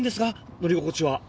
乗り心地は。